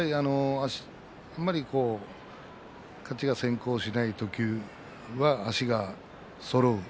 あんまり勝ちが先行しない時は足がそろう。